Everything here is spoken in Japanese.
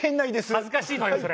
恥ずかしいのよそれ。